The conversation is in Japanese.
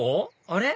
あれ？